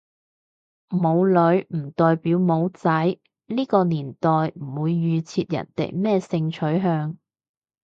冇女唔代表冇仔，呢個年代唔會預設人哋咩性取向